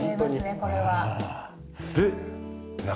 これは。